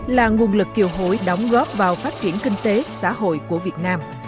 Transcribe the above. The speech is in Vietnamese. là nguồn lực kiều hối đóng góp vào phát triển kinh tế xã hội của việt nam